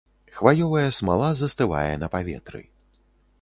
Хваёвая смала застывае на паветры.